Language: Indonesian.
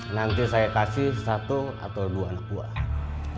nanti saya kasih satu atau dua anak buah